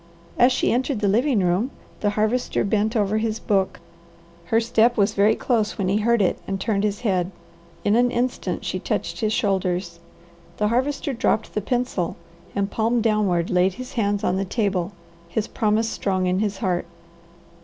As she entered the living room the Harvester bent over his book. Her step was very close when he heard it and turned his head. In an instant she touched his shoulders. The Harvester dropped the pencil, and palm downward laid his hands on the table, his promise strong in his heart.